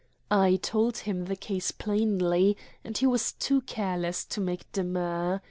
I told him the case plainly, and he was too careless to make demur.